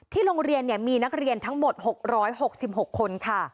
โรงเรียนมีนักเรียนทั้งหมด๖๖คนค่ะ